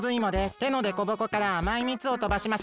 てのでこぼこからあまいみつをとばします。